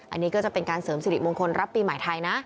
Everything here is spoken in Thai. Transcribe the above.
อันนี้ก็จะเป็นการเสริมสิริมงคลรับปีใหม่ไทยนะ